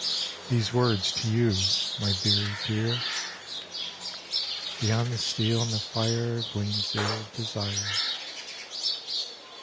These words to you, my very dear, Beyond the steel and the fire Gleams the old desire.